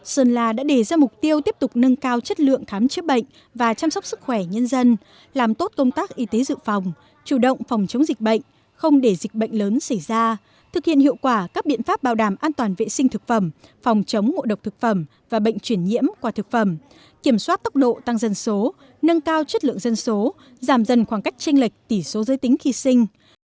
sơn la đã đề ra mục tiêu tiếp tục nâng cao chất lượng khám chữa bệnh và chăm sóc sức khỏe nhân dân làm tốt công tác y tế dự phòng chủ động phòng chống dịch bệnh không để dịch bệnh lớn xảy ra thực hiện hiệu quả các biện pháp bảo đảm an toàn vệ sinh thực phẩm phòng chống ngộ độc thực phẩm và bệnh chuyển nhiễm qua thực phẩm kiểm soát tốc độ tăng dân số nâng cao chất lượng dân số giảm dần khoảng cách tranh lệch tỷ số giới tính khi sinh